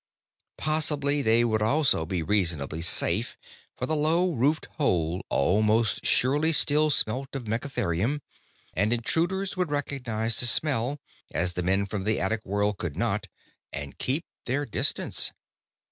Possibly they would also be reasonably safe, for the low roofed hole almost surely still smelt of megatherium, and intruders would recognize the smell as the men from the attic world could not and keep their distance.